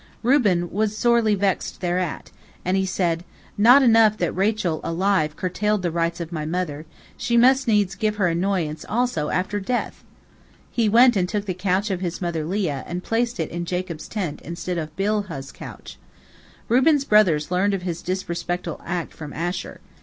Reuben was sorely vexed thereat, and he said, "Not enough that Rachel alive curtailed the rights of my mother, she must needs give her annoyance also after death!" He went and took the couch of his mother Leah and placed it in Jacob's tent instead of Bilhah's couch. Reuben's brothers learned of his disrespectful act from Asher.